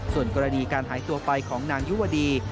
ส่วนกรณีการหายตัวไปของนางยุวดี